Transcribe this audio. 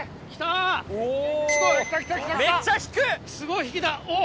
すごい引きだおっ！